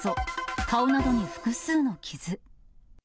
顔などに複数の傷。